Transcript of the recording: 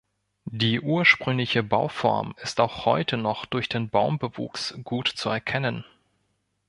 Die ursprüngliche Bauform ist auch heute noch durch den Baumbewuchs gut zu erkennen.